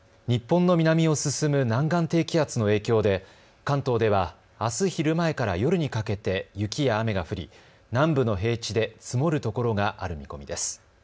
日本の南を進む南岸低気圧の影響で関東ではあす昼前から夜にかけて雪や雨が降り南部の平地で積もるところがある見込みです。